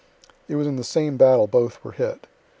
It was in the same battle both were hit.